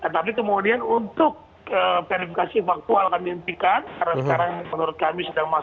tapi kemudian untuk verifikasi faktual kami hentikan karena sekarang menurut kami